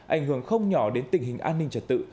ảnh hưởng không nhỏ đến tình hình an ninh trật tự